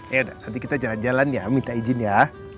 ya nanti kita jalan jalan ya minta izin ya